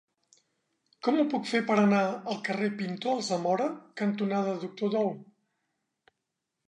Com ho puc fer per anar al carrer Pintor Alsamora cantonada Doctor Dou?